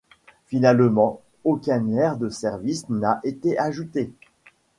Finalement, aucun aire de service n'a été ajouté.